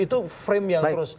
itu frame yang terus